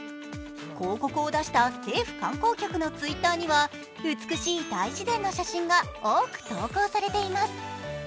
広告を出した政府観光局のＴｗｉｔｔｅｒには美しい大自然の写真が多く投稿されています。